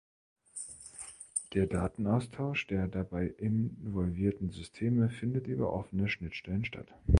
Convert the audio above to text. Der Datenaustausch der dabei involvierten Systeme findet über offene Schnittstellen statt.